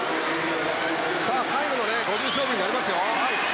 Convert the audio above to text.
最後の５０勝負になります。